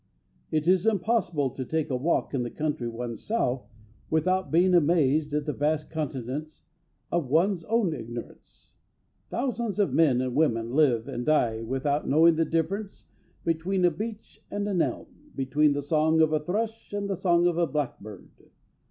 It is impossible to take a walk in the country oneself without being amazed at the vast continent of one's own ignorance. Thousands of men and women live and die without knowing the difference between a beech and an elm, between the song of a thrush and the song of a blackbird.